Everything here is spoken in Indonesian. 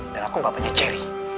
dan aku bapaknya jerry